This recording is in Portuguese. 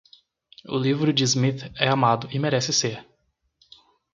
O livro de Smith é amado e merece ser.